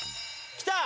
来た